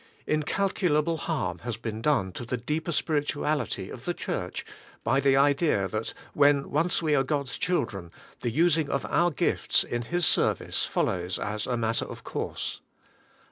Incalculable harm has been done to the deeper spirituality of the Church, by the idea that when once we are God's children the using of our gifts in His service follows as a matter of course.